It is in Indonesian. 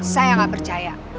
saya gak percaya